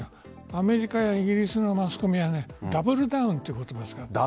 アメリカやイギリスのマスコミはダブルダウンという言葉を使う。